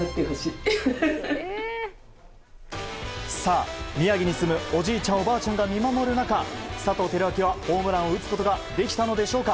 さあ、宮城に住むおじいちゃん、おばあちゃんが見守る中佐藤輝明はホームランを打つことができたのでしょうか。